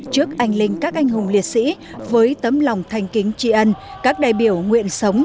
trước anh linh các anh hùng liệt sĩ với tấm lòng thanh kính tri ân các đại biểu nguyện sống